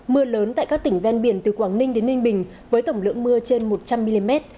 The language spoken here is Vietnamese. mưa lớn tại các tỉnh ven biển từ quảng ninh đến ninh bình với tổng lượng mưa trên một trăm linh mm